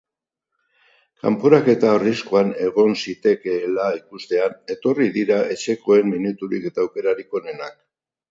Kanporaketa arriskuan egon zitekeela ikustean etorri dira etxekoen minuturik eta aukerarik onenak.